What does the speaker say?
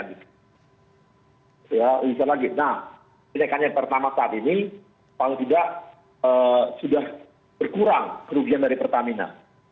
nah dinaikkan yang pertamax saat ini kalau tidak sudah berkurang kerugian dari pertamina